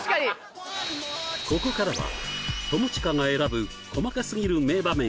ここからは友近が選ぶ細かすぎる名場面